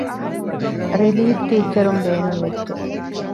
ރިލީފް ޓީޗަރުން ބޭނުންވެއްޖެ